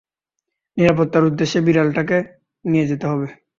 নিরাপত্তার উদ্দেশ্যে বিড়ালটাকে নিয়ে যেতে হবে।